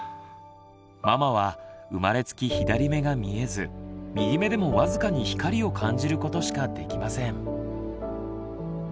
ママは生まれつき左目が見えず右目でも僅かに光を感じることしかできません。